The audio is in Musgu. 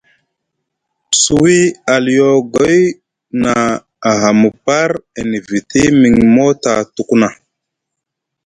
Suwi aliogoy na ahamu par e niviti miŋ mota tuku na.